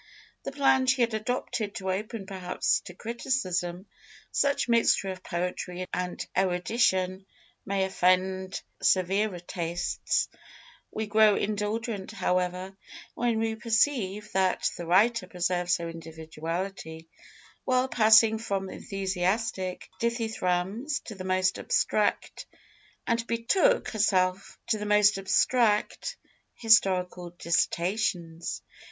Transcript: The plan she has adopted is open perhaps to criticism: such mixture of poetry and erudition may offend severer tastes; we grow indulgent, however, when we perceive that the writer preserves her individuality while passing from enthusiastic dithyrambs to the most abstract historical dissertations.